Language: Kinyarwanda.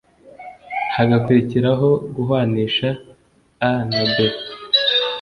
hagakurikizahoguhwanisha (a=b